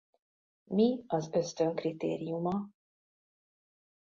Mi az ösztön kritériuma?